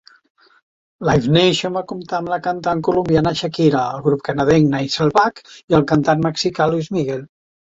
Live Nation va comptar amb la cantant colombiana Shakira, el grup canadenc Nickelback i el cantant mexicà Luis Miguel.